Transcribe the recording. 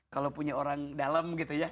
kalau punya orang dalam gitu ya